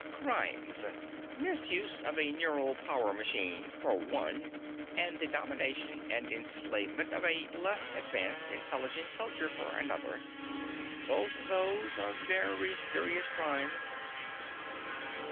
"Crimes. Misuse of a neural power machine, for one and the domination and enslavement of a less advanced intelligent culture for another. Both those are very serious crimes."